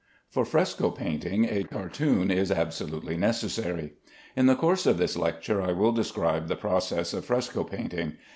For fresco painting a cartoon is absolutely necessary. In the course of this lecture I will describe the process of fresco painting.